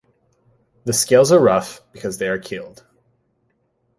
The scales are rough because they are keeled.